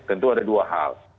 tentu ada dua hal